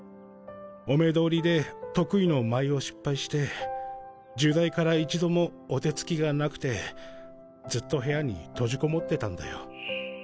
お目通りで得意の舞を失敗して入内から一度もお手つきがなくてずっと部屋に閉じこもってたんだよ。